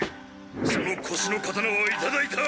その腰の刀はいただいた。